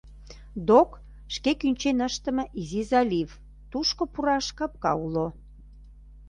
Док — шке кӱнчен ыштыме изи залив, тушко пураш капка уло.